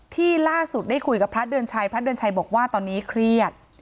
ที่ล่าสุดได้คุยกับพระเดือนชัยพระเดือนชัยบอกว่าตอนนี้เครียด